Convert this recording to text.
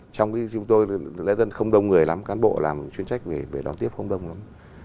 trong khi chúng tôi lễ dân không đông người lắm cán bộ làm chuyên trách vì về đón tiếp không đông lắm